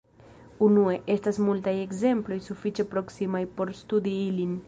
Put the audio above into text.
Unue, estas multaj ekzemploj sufiĉe proksimaj por studi ilin.